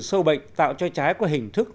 sâu bệnh tạo cho trái có hình thức